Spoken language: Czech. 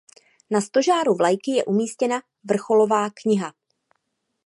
Na stožáru vlajky je umístěna vrcholová kniha.